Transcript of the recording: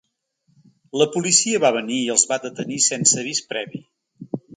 La policia va venir i els va detenir sense avís previ.